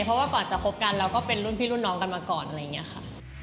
เราจะคบกันแล้วก็เป็นรุ่นพี่รุ่นน้องกันมาก่อนอะไรอย่างนี้ค่ะ